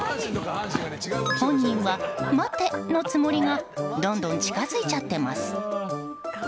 本人は待てのつもりがどんどん近づいちゃってます。